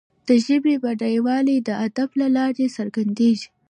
د ژبي بډایوالی د ادب له لارې څرګندیږي.